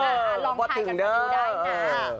เออลองถ่ายกันมาดูได้นะ